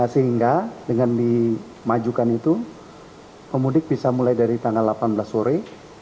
sehingga dengan dimajukan itu pemudik bisa mulai dari tanggal delapan belas sore sembilan belas dua puluh dua puluh satu